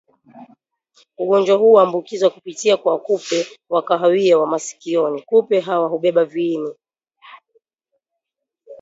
Ugonjwa huu huambukizwa kupitia kwa kupe wa kahawia wa masikioni Kupe hawa hubeba viini